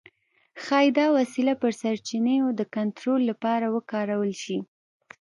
ښايي دا وسیله پر سرچینو د کنټرول لپاره وکارول شي.